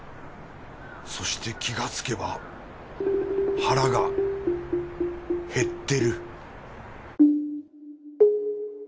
そして気がつけば腹が減ってる